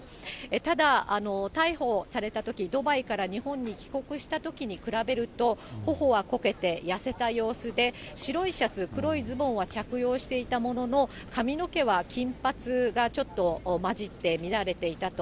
ただ、逮捕されたとき、ドバイから日本に帰国したときに比べると、ほほはこけて、痩せた様子で、白いシャツ、黒いズボンは着用していたものの、髪の毛は金髪がちょっと交じって乱れていたと。